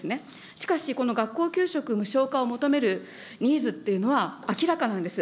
しかし、この学校給食無償化を求めるニーズっていうのは明らかなんです。